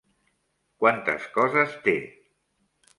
Quantes coses té?